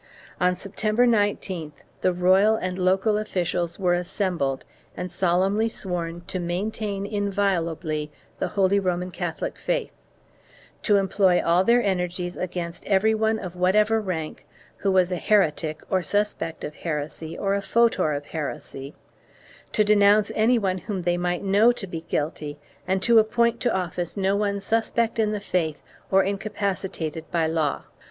On September 19th, the royal and local officials were assembled and solemnly sworn to maintain inviolably the holy Roman Catholic faith, to employ all their energies against every one of whatever rank, who was a heretic or suspect of heresy or a fautor of heresy, to denounce any one whom they might know to be guilty and to appoint to office no one suspect in the faith or incapacitated by law.